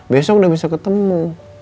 besok udah bisa ketemu